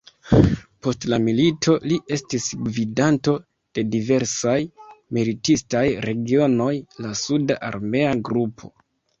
Post la milito li estis gvidanto de diversaj militistaj regionoj, la suda armea grupo.